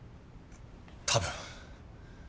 多分。